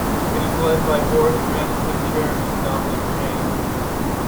It is led by Board of Management chairman Dominic Chan.